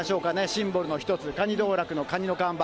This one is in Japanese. シンボルの一つ、かに道楽のかにの看板。